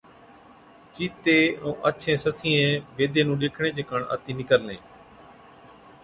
چِيتي ائُون آڇين سَسِيئَين بيدي نُون ڏيکڻي چي ڪاڻ آتِي نِڪرلين۔